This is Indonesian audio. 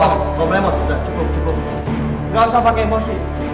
pak udah wong wong gak usah pakai emosi